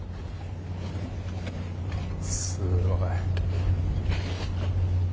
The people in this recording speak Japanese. すごい。